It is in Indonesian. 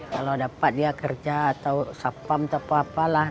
kalau dapat dia kerja atau sapam atau apa apa lah